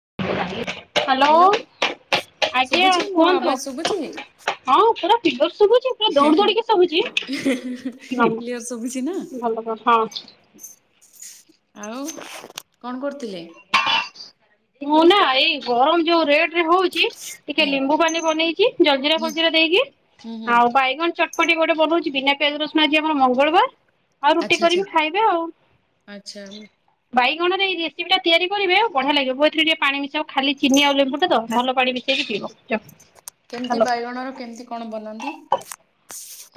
[inaudible] Hello ଆଜ୍ଞା ଶୁଭୁଛି ମୋ କୁହନ୍ତୁ ଆବାଜ ଶୁଭୁଛି। [unintelligible] ଶୁଭୁଛି ପା ଦୌଡି କ୍ଲିୟର ଶୁଭୁଛି ନା ଦୌଡିକି ଶୁଭୁଛି ଭଲ ହଁ। ଆଉ କଣ କରୁଥିଲେ? ମୁଁ ନା ଏଇ ଗରମ ଯୋଉ ରେଟ ରେ ହଉଛି ଟିକେ ହୁଁ ଲେମ୍ବୁ ପାନି ବନେଇ ଜଲଜିରା ହୁଁ ଫଲଜିରା ଦେଇକି ହୁଁ ହୁଁ ଆଉ ବାଇଗଣ ଚଟ ଚଟଣି ଗୋଟେ ବନଉଛି ବିନା ପିଆଜ ରସୁଣ ଆଜି ଆମର ଆମର ମଙ୍ଗଳବାର ଆଉ ରୁଟି ଆଚ୍ଛା ଆଚ୍ଛା କରିବି ଖାଇବେ ଆଉ। ଆଚ୍ଛା ବାଇଗଣରେ ଏଇ ରେସିପିଟା ତିଆରି କରିବେ ଆ ବଢିଆ ଲାଗିବ। ଭୋ ଏଥିରେ ଟିକେ ପାଣି ମିଶେଇବ ଖାଲି ଚିନି ଆଉ ଲେମ୍ଵୁ ଟା ତ ଭଲ ପାଣି ମିଶେଇକି ପିଇବ ଚ୍ କେମିତି ହାଲୋ ବାଇଗଣର କେମିତି କଣ ବନାନ୍ତି?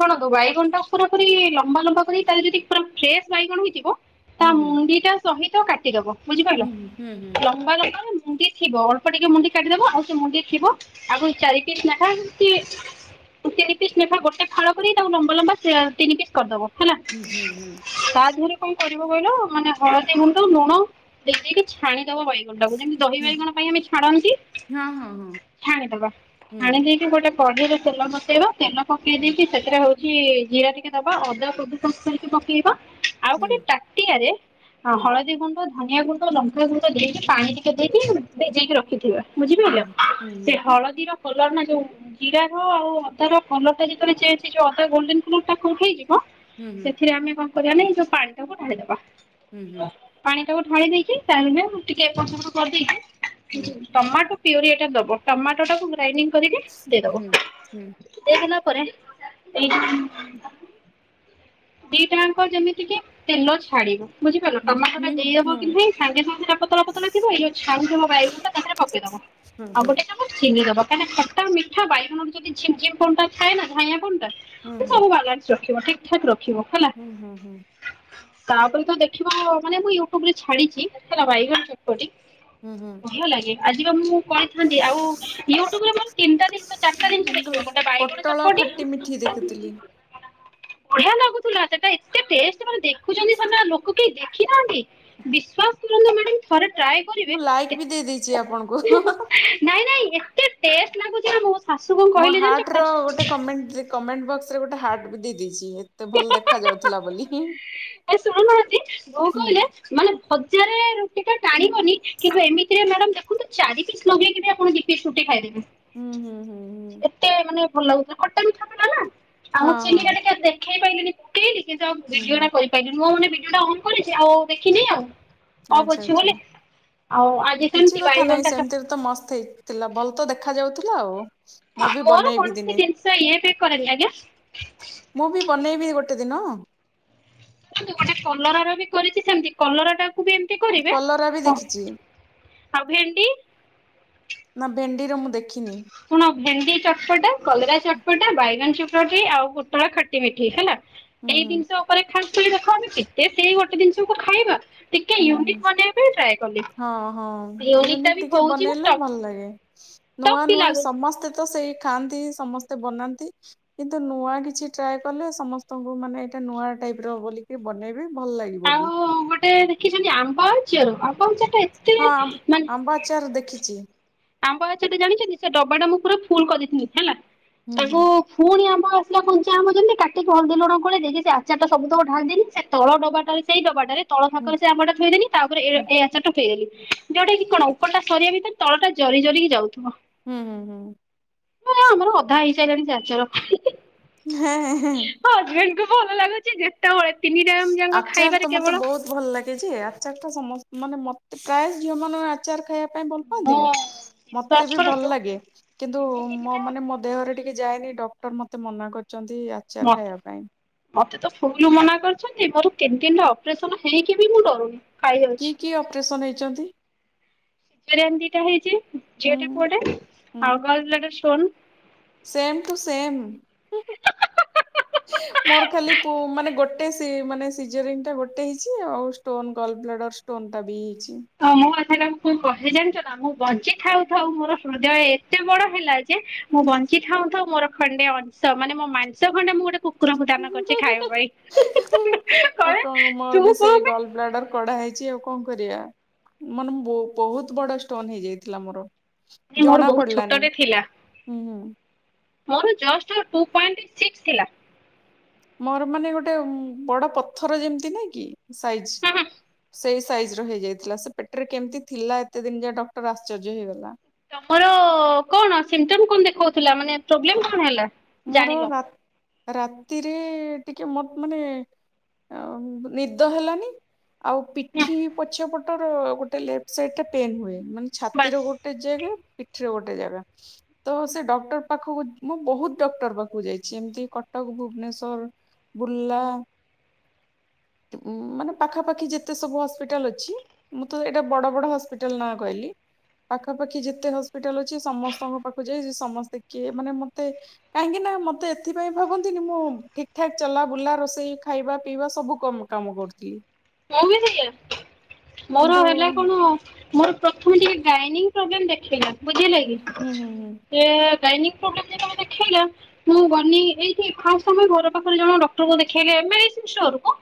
ଶୁଣନ୍ତୁ ବାଇଗଣ ପୁରା ପରି ଲମ୍ବା ଲମ୍ବା କରି ତାଲେ ଯଦି ପୁରା ଫ୍ରେଶ ବାଇଗଣ ହେଇଯିବ ତା ହୁଁ ହୁଁ ମୁଣ୍ଡି ଟା ସହିତ ତ କାଟିଦବ ବୁଝିପାରିଲ ହୁଁ ହୁଁ ଲମ୍ବା ଲମ୍ୱା ମୁଣ୍ଡି ଥିବ ଅଳ୍ପ ଟିକେ ମୁଣ୍ଡି କାଟିଦବା ଆଉ ସେ ମୁଣ୍ଡି ଥିବ ଆଉ ଚାରି ପିସ୍ ନେଖା କି ତିନି ପିସ୍ ନେଖା ଗୋଟେ ଫାଳ କରି ତାକୁ ଲମ୍ବା ଲମ୍ବା ତିନି ପିସ୍ କରିଦବ। ହେଲା ହୁଁ ହୁଁ ହୁଁ ତା ଦେହରେ କଣ କରିବ କହିଲ ମାନେ ହଳଦୀ ଗୁଣ୍ଡ ଲୁଣ ଦେଇ ଦେଇକି ଛାଣି ଦବ ବାଇଗଣ ଟାକୁ ଯେମତି ଦହି ହୁଁ ବାଇଗଣ ପାଇଁ ଆମେ ଛାଣନ୍ତି ହଁ ହଁ ହଁ ଛାଣିଦବା ହୁଁ ଛାଣି ଦେଇକି ଗୋଟେ କଢେଇ ରେ ତେଲ ବସେଇବା ତେଲ ପକେଇ ହୁଁ ଦେଇକି ହଉଛି ଜିରା ଟିକେ ଦବା ଅଦା କଦୁ କସ୍ କରିକି ପକେଇବା। ଆଉ ହୁଁ ହୁଁ ଗୋଟେ ତାଟିଆରେ ହଳଦୀ ଗୁଣ୍ଡ ଧନିଆ ଗୁଣ୍ଡ ଲଙ୍କା ଗୁଣ୍ଡ ଦେଇକି ପାଣି ଟିକେ ଦେଇଦବ ଭିଜେଇକି ରଖିଥିବା ହୁଁ ବୁଝିପାରିଲ ହୁଁ ସେ ହଳଦୀର କଲର ନା ଯୋଉ ଜିରା ର ଆଉ ଅଦା ର କଲର ଟା ଯେତେବେଳେ ଚେଞ୍ଜ ସେ ଯୋଉ ଅଦା ଗୋଲଡନ କଲର ଟା କୁକ୍ ହେଇଯିବ। ହଁ ସେଥିରେ ଆମେ କଣ? କରିବା ନା ଯଉ ପାଣି ଟାକୁ ଢାଳିଦବା। ହୁଁ ହୁଁ ହୁଁ ହୁଁ ହୁଁ ହୁଁ ହୁଁ ହୁଁ ହୁଁ ହୁଁ ପାଣି ପାଣି ଟାକୁ ଢାଳି ଦେଇକି ପାଣି ରେ ଟିକେ ଏପଟ୍ ସେପଟ କରିଦେଇକି? ଟମାଟୋ କୁ ପିୟୁରି ଏଇଟା ଦବ ଟମାଟୋ ଟାକୁ ଗ୍ରାଇଣ୍ଡି କରିକି ଦେଇଦବ ହୁଁ ହୁଁ ହୁଁ ହୁଁ ହୁଁ ଦେଇଦେଲା ପରେ ଦିଟାଙ୍କ ଯେମିତି କି ତେଲ ଛାଡିବ ବୁଝିପାରିଲ ଟମାଟୋ ଟା ଦେଇଦବ କି ନାଇଁ ସାଙ୍ଗେ ସାଙ୍ଗେ ଟ ପତଳା ପତଳା ଥିବ ଏଇ ଯୋଉ ଛାଣିଥିବ ବାଇଗଣ ଟା ତାଥିରେ ପକେଇଦବ ଆଉ ଗୋଟେ ଚାମଚ ଚିନି ଦବ କାହିଁକି ନା ଖଟା ମିଠା ବାଇଗଣର ଯଦି ଝିମଝିମ ପଣ ଟା ଥାଏ ନା ଝାଇଁଆ ପଣ ଟା ତ ସବୁ ବାଲାନ୍ସ ରହିବ। ଠିକ ଠାକ୍ ରହିବ ହୁଁ ହୁଁ ହୁଁ। ତାପରେ ତ ଦେଖିବ ମାନେ ମୁଁ ୟୁଟ୍ୟୁବ ରେ ଛାଡିଛି ହେଲା ବାଇଗଣ ଚଟ୍ପଟି ହୁଁ ହୁଁ ବଢିଆ ଲାଗେ ଆଜି ବା ମୁଁ କହିଥାନ୍ତି ଆଉ ୟୁଟ୍ୟୁବରେ ତିନିଟା ଜିନିଷ ଚାରିଟା ଜିନିଷ ଦେଖିବ ଗୋଟେ ବାଇଗଣ ପୋଟଳ ଚଟ୍ପଟି ଖଟି [unintelligible] ବଢିଆ ଲାଗୁଥିଲା ସେଟା ଏତେ ଟେଷ୍ଟ ସେମାନେ ଦେଖୁଛନ୍ତି ସେମାନେ ଲୋକ କେହି ଦେଖି ନାହାନ୍ତି ବିଶ୍ଵାସ କରନ୍ତୁ ମ୍ୟାଡାମ ଥରେ ଟ୍ରାଏ ମୁଁ କରିବେ ଲାଇକ୍ ବି ଦେଇ ଦେଇେଇଛି ଆପଣଙ୍କୁ। ନାଇଁ ନାଇଁ କେ ଟେଷ୍ଟ ଲାଗୁଛି ଆମକୁ ଶାଶୁ କଣ ମୋ କହିଲେ ହାର୍ଟ ଜାଣିଛ ର ଗୋଟେ ଫାଷ୍ଟ କମେଣ୍ଟ କମେଣ୍ଟ ବକ୍ସ ରେ ଗୋଟେ ହାର୍ଟ ବି ଦେଇେଇଛି ଏତେ ଭଲ ଦେଖାଯାଉଥିଲା ବୋଲି। ଏ ଶୁଣୁନାହାନ୍ତି ବୋଉ ହୁଁ। କହିଲେ ମାନେ ହଜାରେ ରୁଟି ଟା ଟାଣିବନି କିନ୍ତୁ ଏମିତିରେ ମ୍ୟାଡମ ଦେଖନ୍ତୁ ଚାରି ପିସ୍ ଲଗେଇକି ଆପଣ ଦି ପିସ୍ ରୁଟି ଖାଇଦେବେ। ହୁଁ ହୁଁ ହୁଁ ହୁଁ। ଏତେ ମାନେ ଭଲ ଲାଗୁଥିଲା, ଖାଟା ମିଠା ଥିଲା ନା। ଆମ ହଁ ଚିନି ହଁ ଟା ବି କେତେ? ଖାଇ ପାରିଲନି ପକେଇଲି କିନ୍ତୁ ଆମେ ହୁଁ ହୁଁ ଭିଡିଓଟା କରିପାରିଲୁନୁ ମୁଁ ମାନେ ଭିଡିଓ ଟା ଅନ୍ କରିଛି ଆଉ ଦେଖିନି ଆଉ। ଅଫ୍ ଆଛା ଅଛି ଆଛା ବୋଲି ଆଉ ଆଜି କିଛି ସେମିତି କଥା ନାହିଁ ବାଇଗଣଟା ଚ ସେମିତିରେ ତ ମସ୍ତ ହେଇଥିଲା ଭଲ ତ ଦେଖା ଯାଉ ଥିଲା ଆଉ ମୁଁ ବି ମୋର ବନେଇବି କୌଣସି ଦିନେ ଜିନିଷ ଇ ବି କରନି ଆଜ୍ଞା କେଟେ ଦିନ କରନ୍ତୁ ଗୋଟେ କଲରା ର ବି କରିଛି ସେମିତି କଲରା ଟା କୁବି ଏମତି କରିବେ କଲରା ବି ଦେଖିଛି। ଆଉ ଭେଣ୍ଡି ଣ୍ଡିର ମୁଁ ଦେଖ କଣ ଭେଣ୍ଡି ଚଟପଟା କଲରା ଚଟପଟା ବାଇଗଣ ଚପ ଆଉ ପୋଟଳ ଖଟି ମିଠି ହେଲା। ହୁଁ ଏଇ ହୁଁ ଜିନିଷ ଉପରେ ଖାସ କରୁଛି କେତେ ସେଇ ଗୋଟେ ଜିନଷକୁ ଖାଇବା ଟିକେ ହ ହଁ ୟୁନିକ୍ ବନେଇବା ପାଇଁ ଟ୍ରାଏ କଲି ହଁ ହଁ ୟୁନିକ୍ ଟା ୟୁନିକ ବି ଟିକେ ହଉଛି ବନେଇଲେ ଟପ୍ ଭଲ ଲାଗେ ନୂଆ ଟପ୍ ବି ନୂଆ ଲାଗୁଛି ସମସ୍ତେ ତ ସେଇ ଖାଆନ୍ତି ସମସ୍ତେ ବନାନ୍ତି କିନ୍ତୁ ନୂଆ କିଛି ଟ୍ରାଏ କଲେ ସମସ୍ତଙ୍କୁ ମାନେ ଏଇଟା ନୂଆ ଟାଇପ ର ବୋଲିକି ବନେଇବେ, ଭଲ ଲାଗିବ ବି ଶିଖିଛନ୍ତି ଆମ୍ବ ଆଚାର ହଁ ଆମ୍ବ ଆଚାର ଦେଖିଛି ଆମ୍ବ ଆଚାର ଟି ଜାଣିଛନ୍ତି ସେ ଡବାଟା ମୁଁ ପୁରା ଫୁଲ କରିଥିଲି ହେଲା। ହୁଁ ତାକୁ ହୁଁ ଫୁଣି ଆମ ଆସିଲା କଞ୍ଚା ଆମ ଯେମି କାଟିକି ହଳଦୀ ଲୁଣ କ ଦେଇକି ସେ ଆଚାର ଟା ସବୁତକ ଢାଲି ଦେଲି ସେ ତଳ ଡବାଟାରେ ସେଇ ଡବାଟାରେ ତଳ ହୁଁ ଥାକରେ ସେ ଆମ୍ୱ ଟା ଥୋଇଦେଲି ତାପରେ ହୁଁ ଏଇ ଆଚାରଟା ଉଠାଇ ଦେଲି ଯୋଉଟା କି କଣ ଉପରଟା ସରିବା ଭିତରେ ତଳଟା ଜରି ଜରିକି ଯାଉଥିବ। ହୁଁ ହୁଁ ହୁଁ। ହଁ ଆମର ଅଧା ହେଇସାରିଲାଣି ଆଚାର। ମୋ ହଜବେଣ୍ଡଙ୍କୁ [unintelligible] ଭଲ ଲାଗୁଛି ଯେତେବେଳେ ତିନି ଟାଇମ୍ ଯାଙ୍କ ଆଚାର ଖାଇବାରେ ତ ମୋତେ କେବଳ ବହୁତ ଭଲ ଲାଗେ ଯେ ଆଚାର ଟା ସମସ୍ତେ ମାନେ ମୋତେ ପ୍ରାୟ ଝିଅ ମାନଙ୍କର ଆଚାର ଖାଇବା ଭଲ ମୁଁ ପାଆନ୍ତିନି ମୋତେ ବିଶ୍ଵାସ ବି ଭଲ କରନ୍ତୁ ଲାଗେ କିନ୍ତୁ ତିନି ମୋ ତିନିଟା ମାନେ ମୋ ଦେହରେ ଟିକେ ଯାଏନି ଡକ୍ଟର ମୋତେ ମନା କରି ଛନ୍ତି ଆଚାର ମତେ ଖାଇବା ପାଇଁ ମତେ ତ ଫୁଲ ମନା କରିୁଛନ୍ତି ମୋର ତିନି ତିନିଟା ଅପରେସନ ହେଇକି ବି ମୁଁ ଡରୁନି। ଖାଇଯାଉଛି। କି କି ଅପରେସନ ହେଇଛନ୍ତି। ଦିଟା ହେଇଛି ହୁଁ ଝିଅଟେ ପୁଅଟେ ହୁଁ ଆଉ। [unintelligible] ଷ୍ଟୋନ ସେମ ଟୁ ସେମ ମୋର ଖାଲି ପୁ ମାନେ ଗୋଟେ ମାନେ ସିଜରିଂ ଟା ଗୋଟେ ହେଉଛି ଆଉ ଷ୍ଟୋନ ଗଲ୍ଡ ବ୍ଲାଡର ଷ୍ଟୋନ ଟା ବି ହେଇଛି। ହ ମୁଁ ଏବେ ତାଙ୍କୁ କଣ କହିଲି ଜାଣିଛ ନା ମୁଁ ବଞ୍ଚି ଥାଉ ଥାଉ ମୋର ହୃଦୟ ଏତେ ବଡ ହେଲା ମୁଁ ବଞ୍ଚି ଥାଉ ଥାଉ ମୋର ଖଣ୍ଡେ ଅଂଶ ମାନେ ମୋ ମାଂସ ଖଣ୍ଡେ ମୁଁ ଗୋଟେ କୁକୁରଙ୍କୁ ଦାନ କରୁଛି ଖାଇବା ପାଇଁ ଆଉ କଣ ମୋର ତୁ ବି କୁହ ସେଇ ବେ ଗଲ ବ୍ଲାଡର କଢା ହେଇଛି ଆଉ କଣ କରିବା ମାନେ ବହୁତ ବଡ ଷ୍ଟୋନ ହେଇଯାଇଥିଲା ମୋର କି ମୋର ଜଣା ବହୁତ ପଡିଲାନି ଛୋଟରେ ଥିଲା। ହୁଁ ହୁଁ ମୋର ଜଷ୍ଟ ଟୁ ପଏଣ୍ଟ ସିକ୍ସ ଥିଲା। ମୋର ମାନେ ଗୋଟେ ବଡ ପଥର ଯେମିତି ନାଇ କି ସାଇଜ ସେଇ ସାଇଜ ର ହେଇଯାଇଥିଲା ସେ ପେଟରେ କେମିତି ଥିଲା ଏତେ ଦିନ ଯାଏଁ ଡକ୍ଟର ଆଶ୍ଚର୍ଯ୍ୟ ହେଇଗଲା। ତମର କଣ ସିମଟମ କଣ ଦେଖାଉଥିଲା ମାନେ ପ୍ରୋବ୍ଲେମ କଣ ହେଲା। ମୋର ଜାଣିଲ ରା ରା ରାତିରେ ଟିକେ ମ ମାନେ ନିଦ ହେଲାନି। ଆଉ ନା ପିଠି ପଛ ପଟର ଗୋଟେ ଲେଫ୍ଟ ସେଇଟା ପେନ୍ ହୁଏ। ମାନେ ବାସ୍ ଛାତିର ଗୋଟେ ଜାଗା ପିଠିରେ ଗୋଟେ ଜାଗା ତ ସେ ଡକ୍ଟର ପାଖକୁ ମୁଁ ବହୁତ୍ ଡକ୍ଟର ପାଖକୁ ଯାଇଛି ଏମିତି କଟକ ଭୁବନେଶ୍ଵର ବୁର୍ଲା ମାନେ ପାଖାପାଖି ଯେତେ ସବୁ ହସ୍ପିଟାଲ ଅଛି ମୁଁ ତ ଏଇଟା ବଡ ବଡ ହସ୍ପିଟାଲ ନାଁ କହିଲି ପାଖା ପାାଖି ଯେତେ ହସ୍ପିଟାଲ ଅଛି ସମସ୍ତଙ୍କ ପାଖକୁ ଯାଇଛି ସମସ୍ତେ କିଏ ମାନେ ମୋତେ କାହିଁକି ନା ମୋତେ ଏଥିପାଇଁ ଭାବନ୍ତିନି ମୁଁ ଠିକଠାକ୍ ଚଲାବୁଲା ରୋଷେଇ ଖାଇବା ପିଇବା ସବୁ କମ କାମ କରୁଥିଲି। ମୋର ବି ସେଇଆ। ମୋର କିନ୍ତୁ ହେଲେ କଣ ହୁଁ ମୋର ପ୍ରକୃତରେ ଗାଇନିଙ୍ଗ୍ ପ୍ରୋବ୍ଲେମ୍ ଦେଖେଇଲା। ବୁଝିଲେକିି ହୁଁ ହୁଁ ହୁଁ ସେଏଏ ଗାଇନିଙ୍ଗ୍ ପ୍ରୋବେଲମ୍ ଯେତେବେଳେ ଦେଖେଇଲା ମୁଁ ଗନି ଏଇଠି ଫାଷ୍ଟ୍ ଆମରି ଘର ପାଖରେ ଜଣେ ଡକ୍ଟର ଦେଖେଇଲେ ଏମ୍ ଆଇ ସିନ୍ ଷ୍ଟୋରକୁ।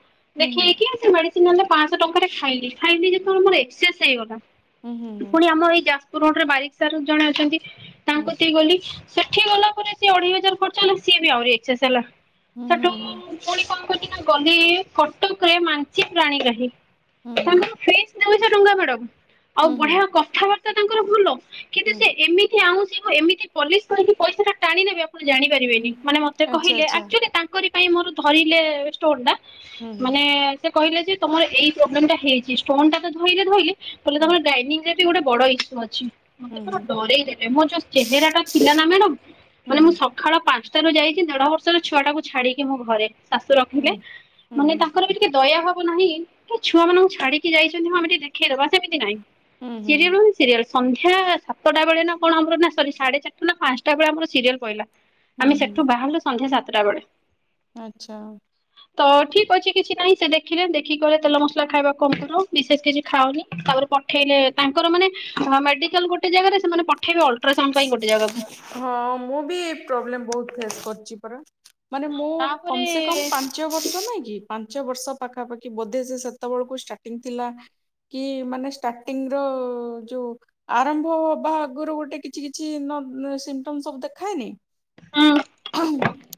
ହୁଁ ଦେଖେଇକି ସେ ମେଡ଼ିସି ସେ ନେଲେ ପାଁଶ ଟଙ୍କାଟେ ଖାଇଲି, ଖାଇଲି ଯେତବେଳେ ମୋର ଏକ୍ସସେସ୍ ହେଇଗଲା। ହୁଁ ହୁଁ ହୁଁ ପୁଣି ଆମ [unintelligible] ରୋଡରେ ବାରିକ୍ ସାର୍ ଜଣେ ଅଛନ୍ତି। ତାଙ୍କ୍ ହୁଁ। କତିକି ଗଲି। ସେଠି ଗଲା ପରେ ସିଏ ଅଢେଇ ହଜାର ଖର୍ଚ ହେଲା ସିଏ ବି ଆହୁରି ଏକ୍ସେସ୍ ହେଲା। ହୁଁ ସେଠୁ ହୁଁ। [inaudible] ଗଲି କଟକରେ ମା [unintelligible] ପାଣିଗ୍ରାହୀ। ହୁଁ ତମ ହୁଁ ଫେଶ୍। ଯାଉ ସେ ଠୁଙ୍ଗା ପଡ଼ାକୁ। ଆଉ ହୁଁ ହୁଁ ହୁଁ ବଢିଆ କଥାବାର୍ତ୍ତ୍ ତା ତାଙ୍କର ଭୁଲ ହୁଁ କିନ୍ତୁ ହୁଁ। ସେ ଏମିତି ଆଉଁସ୍ ଯୋଉ ଏମିତି ପଲିଶ୍ କରିକି ପଇସା ଟାଣି ନେବେ [inaudible] [inaudible] ଜାଣିପାରିବେନି ମାନେ ମତେ ଆଚ୍ଛା କହିଲେ ଆଚ୍ଛା ଆକ୍ଚୁଆଲି ତାଙ୍କରି [unintelligible] ଇଁ ମୋର ଧରିଲେ ଷ୍ଟୋନଟା। ହୁଁ ହୁଁ ମାନେଏଏ ସେ କହିଲେ ଯେ ତମର ଏଇ ପ୍ରୋବ୍ଲେମଟା ହେଇଛି ଷ୍ଟୋନଟା ତ ଧଇଲେ ଧଇଲେ କହିଲେ ତମର ଗାଇନିଂରେ [inaudible] ଗୋଟେ ବଡ ଇସୁ ଅଛି। ମତେ ହୁଁ ପୁରା ହୁଁ ହୁଁ ଡରେଇ ଦେଲେ ମୋର ଯୋଉ ଚେହେରାଟା ଥିଲା ନା ମ୍ୟାଡ଼ାମ୍ ହୁଁ ବୋଲେ ମୁଁ ହୁଁ। ସଖାଳ ପାଞ୍ଚ୍ ଟାରୁ ଯାଇଛି ଦେଢ ବର୍ଷର ଛୁଆଟାକୁ ଛାଡ଼ିକି ମୁଁ ଘରେ। ଶାଶୁ ହୁଁ ରଖିଲେ ହୁଁ ମାନେ ହୁଁ ତାଙ୍କର [inaudible] ଦୟା ହବ ନାହିଁକି। ଛୁଆମାନକୁ ଛାଡିକି ଯାଇଚନ୍ତି ହଁ ଆମେ ଟିକେ ଦେଖେଇଦବା ସେମିତି ନାଇଁ। ହୁଁ ସେରିଏ ମାନେ ସିରିଏଲ୍। ସନ୍ଧ୍ୟା ସାତଟା ବେଳେ ନା କଣ ଆମର ନା ସରି ସାଢ଼େ ଚାରିଟା ନା ପାଞ୍ଚଟାବେଳେ ଆମର ସିରିଏଲ୍ ପଡିଲା। ହୁଁ ଆମେ ସେଠୁ ହୁଁ ବାହାରିଲୁ ସନ୍ଧ୍ୟା ସାତ୍ ତେଟା ବେଳେ ଆଚ୍ଛା ଆଉ। ତ ଠିକ ଅଛି କିଛି ନାଇଁ ସେ ଦେଖିଲେ ଦେଖିକି କହିଲେ ତେଲ ମସଲା ଖାଇବା କମ୍ କର। ବିଶେଷ କିଛି ଖାଅନି। ତାପରେ ପଠେଇଲେ ତାଙ୍କର ମାନେ ମେଡିକାଲ ଗୋଟେ ଜାଗାରେ ସେମାନେ ପଠେଇବେ ଅଲଟ୍ରା ହଁ ମୁଁ ବି ଏ ପ୍ରୋବ୍ଲେମ ବହୁତ ଫେସ୍ କରି ଅଛି ପରା। ମାନେ ମୁଁ ତାପରେ କମ ସେ କମ ପାଞ୍ଚ ବର୍ଷ ନାଇଁ କି ପାଞ୍ଚ ବର୍ଷ ପାଖାପାଖି ବୋଧେ ସେ ସେତେବେଳକୁ ଷ୍ଟାର୍ଟିଂ ଥିଲା କି ମାନେ ଷ୍ଟାର୍ଟିଂ ର ଯୋଉ ଆରମ୍ଭ ହବା ଆଗରୁ ଗୋଟେ କି କିଛି କିଛି ନ ସିମ୍ଟମ ସବୁ ଦେଖାଏନି ହୁଁ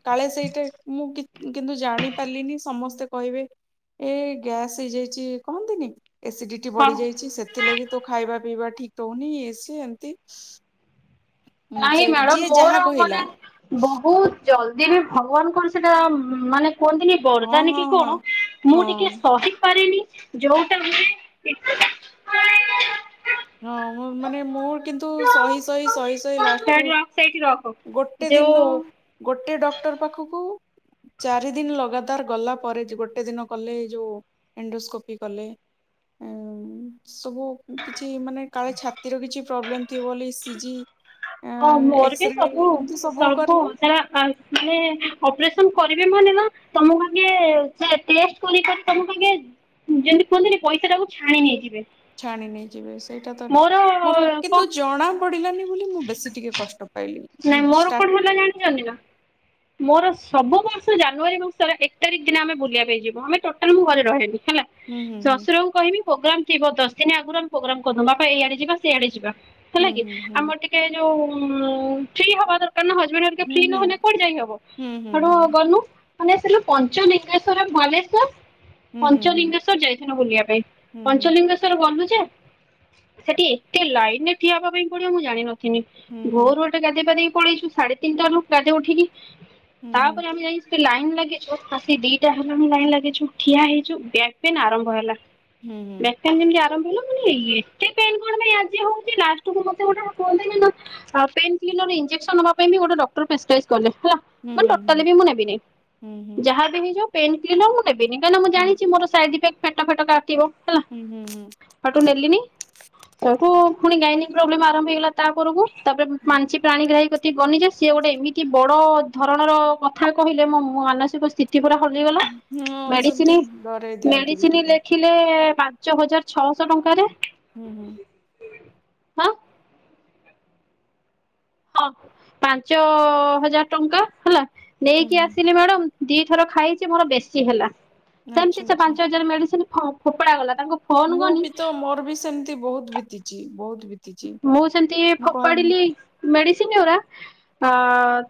କାଳେ ସେଇଟା ମୁଁ କିଛି କିନ୍ତୁ ଜାଣି ପାରିଲିନି, ସମସ୍ତେ କହିବେ ଏ ଗ୍ୟାସ ହେଇଯାଇଛି କହନ୍ତିନି। ଏସିଡିଟି ହଁ ବଢି ଯାଇଛି ସେଥିଲାଗି ତୋ ଖାଇବା ପିଇବା ଠିକ କହୁନି ଇଏ ସିଏ ଏମିତି ନାଇଁ ମ୍ୟାଡାମ ଯାହା ମୋର କହିଲା ମାନେ ବହୁତ ଜଲଦି ବି ଭଗବାନଙ୍କର ସେଟା ମ୍-ମ୍ ମାନେ କୁହନ୍ତିନି ହଁ ବରଦାନ ହଁ କି ହଁ କଣ, ମୁଁ ହଁ ଟିକେ ସହି ପାରେନି ଯୋଉଟା ହୁଏ [inaudible] ହଁ ମାନେ ମୋର କିନ୍ତୁ ସହି ସହି ସହି ସହି ଲାଷ୍ଟକୁ ସେଇଠି ରଖ ସେଇଠି ରଖ। ଗୋଟେ ଦିନ ଯୋଉ ଗୋଟିଏ ଡକ୍ଟର ପାଖକୁ କୁ ଚାରି ଦିନ ଲଗାତାର ଗଲା ପରେ ଗୋଟେ ଦିନ କଲେ ଏ ଯୋଉ ଏଣ୍ଡୋସ୍କୋପି କଲେ ଉମ୍ ସବୁ କିଛି ମାନେ କାଳେ ଛାତିର କିଛି ପ୍ରୋବ୍ଲେମ ଥିବ ବୋଲି ଇ ସି ଜି ହଁ ମୋର ବି ସବୁ ସବୁ [unintelligible] ମାନେ ଅପରେସନ କରିବେ ମାନେ ନା ତମକୁ ଆଗେ ସେ ଟେଷ୍ଟ କରି କରି ତମକୁ ଆଗେ ଯେମିତି କୁହନ୍ତିିନି ପଇସାଟାକୁ ଛାଣି ନେଇଯିବେ। ଛାଣି ନେଇଯିବେ ସେଇଟା ତ ମୋର କିନ୍ତୁ ଜଣା କଣ ଜଣା ପଡ଼ିଲାନି ବୋଲି ମୁଁ ବେଶୀ ଟିକେ କଷ୍ଟ ପାଇଲି ମୁଁ ନାଇଁ। ମୋର କଣ ଷ୍ଟାର୍ଟ ହେଲା ଜାଣିଛନ୍ତି ନା? ମୋର ସବୁ ବର୍ଷ ଜାନୁୟାରୀ ମାସରେ ଏକ ତାରିଖ ଦିନ ଆମେ ବୁଲିବା ପାଇଁ ଯିବୁ, ଆମେ ଟୋଟାଲ ମୁଁ ଘରେ ରହେନି। ହେଲା, ହୁଁ ହୁଁ ଶ୍ୱଶୁରଙ୍କୁ କହିବି ପ୍ରୋଗ୍ରାମ ଥିବ, ଦଶଦିନ ଆଗରୁ ଆମେ ପ୍ରୋଗ୍ରାମ କରୁ ବାପା, ଏଇଆଡେ ଯିବା, ସେଇଆଡେ ଯିବା। ହେଲା ହୁଁ କି ହୁଁ ଆମର ହୁଁ ଟିକେ ଯୋଉ ହୁଁ ଫ୍ରି ହବା ଦରକାର୍ କାରଣ ହଜବ୍ୟାଣ୍ଡ ହେରିକା ଫ୍ରି ନହେଲେ ହୁଁ କୁଆଡ଼େ ଯାଇହବ? ହୁଁ ହୁଁ ସେଠୁଁ ଗଲୁ ମାନେ ସେଠୁ ପଞ୍ଚଲିଙ୍ଗେଶ୍ଵର ବାଲେଶ୍ଵର ହୁଁ ହୁଁ ହୁଁ ପଞ୍ଚଲିଙ୍ଗେଶ୍ଵର ଯାଇଥିଲୁ ବୁଲିବା ପାଇଁ। ହୁଁ ହୁଁ ପଞ୍ଚଲିଙ୍ଗେଶ୍ଵର ଗଲୁ ସେଠି ଏତେ ଲାଇନରେ ଠିଆ ହେବା ପାଇଁ ପଡିବ ମୁଁ ଜାଣିନ ହୁଁ ହୁଁ ଭୋରୁ ଗୋଟେ ଗାଧୋଇ ପାଧେଇ ପଳେଇଚୁ ଶାଢେ ତିନିଟାରୁ ଗାଡ଼ିରେ ଉଠିକି ହୁଁ ହୁଁ ତାପରେ ହୁଁ ଆମେ ଯାଇଛ ଲାଇନ୍ ଲାଗିଛୁ ଆାସି ଦିଟା ହେଲାଣି ଲାଇନ୍ ଲାଗିଛୁ ଠିଆ ହେଇଛୁ, ବ୍ୟାକ୍ ପେନ୍ ଆରମ୍ଭ ହେଲା। ହୁଁ ବ୍ୟାକ ହୁଁ ପେନ୍ ଯେମିତି ଆରମ୍ଭ [inaudible] ଏତେ ପେନ୍ କଣ ପାଇଁ ଆଜି ହଉଚି, ଲାଷ୍ଟକୁ ମତେ ଗୋଟେ [inaudible] ପେନ୍ କ୍ଲିନର ଇଞ୍ଜେକସନ ନବା ପାଇଁ ବି ଗୋଟେ ଡକ୍ଟର ପେସକ୍ରାଇବ କଲେ। ହେଲା ହୁଁ ହୁଁ ହୁଁ ହୁଁ ହୁଁ ହୁଁ ହୁଁ ହୁଁ ମାନେ ଟୋଟାଲି ବି ମୁଁ ନେବିନି। ହୁଁ ଯାହା ବି ହେଇଯ ପେନ୍କିଲର ନେବିନି କହିଁକି ନା ମୁଁ ଜାଣିଚି ମୋର ସାଇଡ ଇଫେକ୍ଟ ପେଟ ଫେଟ କାଟିବ। ହେଲା ହୁଁ ହୁଁ ସେଠୁଁ ନେଲିନି ସେଠୁଁ ପୁଣି ଗାଇନିକ ପ୍ରୋବଲେମ୍ ଆରମ୍ଭ ହେଇଗଲା ତା ପରକୁ ତାପରେ ମାଞ୍ଚି ପ୍ରାଣୀଗ୍ରାହୀ ଗଲି ଯେ ସିଏ ଗୋଟେ ଏମତି କି ବଡ ଧରଣର କଥା କହିଲେ ମୁଁ ମୋ ମାନସିକ ସ୍ଥିତି ପୁରା ହଲିଗଲା। ହଁ ମେଡିସିନ ସେମିତି ଡରେଇ ଦିଅନ୍ତି ବି ମେଡିସିନ ଟିକେ ଲେଖିଲେ ପାଞ୍ଚ ହଜାର ଛଅଶହ ଟଙ୍କାରେ ହୁଁ ହୁଁ। ହଁ ହଁ ପାଞ୍ଚ ହଜାର ଟଙ୍କା, ହେଲା। ହୁଁ ନେଇକି ଆସିଲି ମ୍ୟାଡ଼ାମ। ଦିଥର ଖାଇଛି ମୋର ବେଶୀ ହେଲା। ଆଚ୍ଛା ସେମତି ସେ ଆଚ୍ଛା ପାଞ୍ଚ ହଜାର ମେଡିସିନ ହଁ ଫୋପଡା ଗଲା। ତାଙ୍କୁ ଫୋନ ମୁଁ କନି ବି ତ ମୋର ବି ସେମିତି ବହୁତ ବିତିଛି ବହୁତ ବିତିଛି ମୁଁ ସେମିତି ମୁଁ କହ ଫୋପାଡିଲି ହୁଁ ମେଡି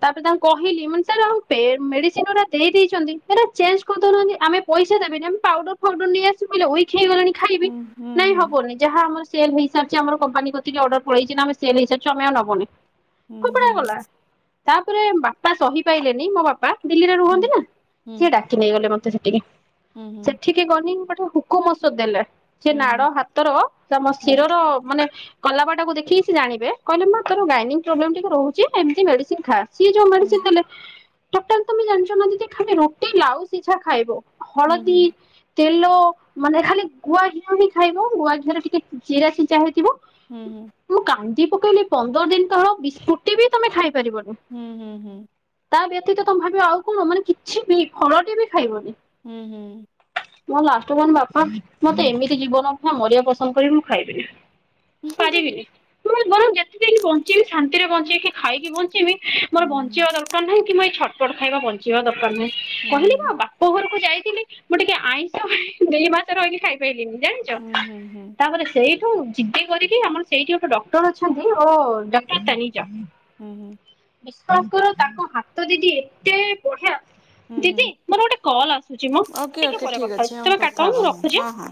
ତାପରେ ତାଙ୍କୁ କହିଲି ମାନେ ସ ମେଡିସିନ ଗୁଡା ଦେଇ ଦେଇଛନ୍ତି ସେଟା ଚେଞ୍ଜ କରିଦଉନାହାନ୍ତି। ଆମେ ପଇସା ଦେବନି ପାଉଡର ଫାଉଡର ନେଇ ଆସିବୁ ଉଇ କ ହେଇଗଲେଣି ଖାଇବି। ହୁଁ ନାଇଁ ହୁଁ ହବନି ଯାହା ଆମର ସେଲ ହେଇସାରିଛି ଆମର କମ୍ପାନୀ ଅର୍ଡର ପଲେଇ ଚି ନା ଆମେ ସେଲ ହେଇସାରଛୁ ଆମେ ନବୁନି ହୁଁ ଫୋପଡା ହୁଁ। ଗଲା ତାପରେ ବାପା ସହି ପାଇଲେନି ମୋ ବାପା ଦିଲ୍ଲୀରେ ହୁଁ ରୁହନ୍ତି ନା ସିଏ ଡାକି ନେଇ ଗଲେ ମତେ ଠିକ୍ ହୁଁ ହୁଁ ସେଠିକେ ଗନିଠ ପୁକମସ ଦେଲେ ସେ ହୁଁ ନାଡ ହାତର ତମ ହୁଁ ଶିରର ମାନେ କଲା ବାଟାକୁ ଦେଖି ସେ ଜାଣେ କହିଲେ ମା ତୋର ଗାଇନି ପ୍ରୋବ୍ଲେମ ଟିକେ ରହୁଛି ଏମତି ମେଡସିନ ଖା ସିଏ ଯୋଉ ହୁଁ ମେଡିସିନ ଦେଲେ ଟା ତୁମେ ଜଣିଛ ନା ଯି ଖାଇବେ ରୁଟି ଲାଉ ସିଝା ଖାଇବ ହୁଁ ହୁଁ ହୁଁ ହଳଦୀ ତେଲ ମାନେ ଖାଲି ଗୁଆ ଘିଅ ହିଁ ଖାଇବ ଗୁଆ ଘିଅର ଟିକେ ଜିରା ସିଜା ହେଇଥିବ। ହୁଁ ହୁଁ। ପକେଇଲେ ପନ୍ଦର ଦିନ କ ବିସ୍କୁଟ ବି ତମେ ଖାଇ ହୁଁ ହୁଁ ହୁଁ। ତା ବ୍ୟତୀତ ତମେ ଭାବିବ ଆଉ କଣ ମାନେ କିଛି ବି ଫଳଟି ବି ଖାଇବନି ହୁଁ ହୁଁ। ମୋ ଲାଷ୍ଟ ମାନ ବାପା ମତେ ଏମିତି ଜୀବନ କଥା ମରିବା ପସନ୍ଦ କରିବି ମୁଁ ଖାଇବିନି ପାରିବିଲି ର ଯେତେ ଦିନ ବଞ୍ଚିବି ଶାନ୍ତିରେ ବଞ୍ଚେଇକି ଖାଇକି ବଞ୍ଚି ମୋର ବଞ୍ଚିବା ଦରକାର ନାହିଁ କି ମୁଁ ଏଛ ଟ ଖାଇବା ବଞ୍ଚିବା ଦ କହିଲି ମୋ ବାପ ଘରକୁ ଯାଇଥିଲି ମୁଁ ଟିକେ ଆଇଁଷ ଦେଇ ମାଛ ରହିଲି ଖାଇପାରଲିିନି ଜାଣିଛ ହୁଁ ହୁଁ ତାପରେ ସେଇ ଠୁ ଜିଦେ କରିକି ଆମର ସେଇଠି ଗୋଟେ ଡକ୍ଟର ଅଛନ୍ତି ଓ ଡାକ୍ତର ତାନିଯା ହୁଁ ହୁଁ। ବିଶ୍ଵାସ କର ତାଙ୍କ ହାତ ଦିଦି ଏତେ ବଢିଆ ହୁଁ ଦିଦି ମୋର ଗୋଟେ କଲ ଆସୁଛି ମ ଓକେ ଟିକେ ଓକେ ପରେ ଠିକ୍ କଥା ଅଛି ହଉଛି ଆମେ ତମେ କଥା କାଟ ହେବା ମୁଁ ହଁ ରଖୁଛି। ହଁ ହଁ